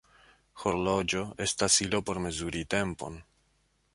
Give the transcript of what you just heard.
Horloĝo estas ilo por mezuri tempon.